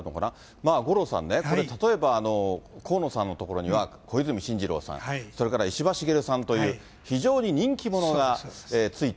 まあ五郎さんね、これ例えば、河野さんのところには小泉進次郎さん、それから石破茂さんという、非常に人気者がついた。